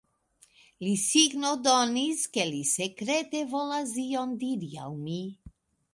Li signodonis, ke li sekrete volas ion diri al mi.